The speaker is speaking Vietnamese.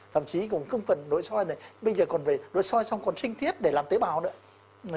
thậm chí còn không phần nội soi này bây giờ còn về nội soi xong còn sinh thiết để làm tế bào nữa